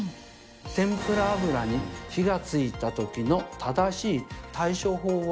天ぷら油に火がついたときの正しい対処法は。